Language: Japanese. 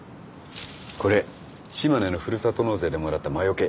これ島根のふるさと納税でもらった魔よけ。